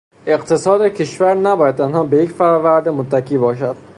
اقتصاد کشور نباید تنها به یک فرآورده متکی باشد.